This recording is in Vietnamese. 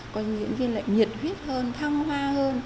cho diễn viên lại nhiệt huyết hơn thăng hoa hơn